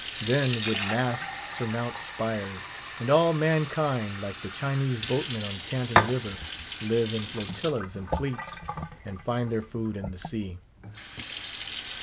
Then would masts surmount spires; and all mankind, like the Chinese boatmen in Canton River, live in flotillas and fleets, and find their food in the sea.